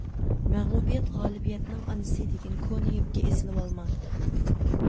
‹ ‹مەغلۇبىيەت غالىبىيەتنىڭ ئانىسى› › دېگەن كونا گەپكە ئېسىلىۋالماڭ.